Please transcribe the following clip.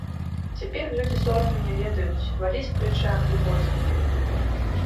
Цяпер людзі сораму не ведаюць, валі з пляча, і годзе.